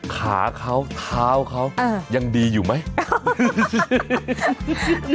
ขาเขาเท้าเขายังดีอยู่ไหม